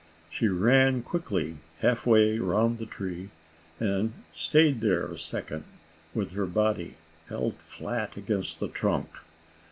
She ran quickly half way around the tree and stayed there a second, with her body held flat against the trunk.